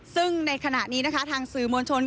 ซึ่งในขณะนี้นะคะทางสื่อมวลชน